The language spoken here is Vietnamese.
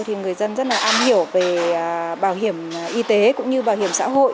thì người dân rất là am hiểu về bảo hiểm y tế cũng như bảo hiểm xã hội